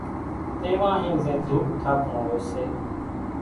تيوانھين زين ڌوپ ٿاتون ھوئي سي